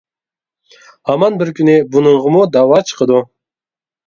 ھامان بىر كۈنى بۇنىڭغىمۇ داۋا چىقىدۇ.